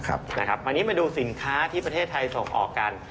วันนี้มาดูสินค้าที่ประเทศไทยส่งออกกัน